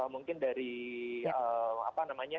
mungkin dari apa namanya